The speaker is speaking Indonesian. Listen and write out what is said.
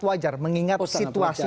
wajar mengingat situasi